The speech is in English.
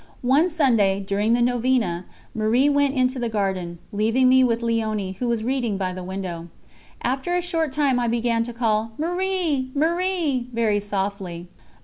One Sunday, during the novena, Marie went into the garden, leaving me with Léonie, who was reading by the window. After a short time I began to call: "Marie! Marie!" very softly.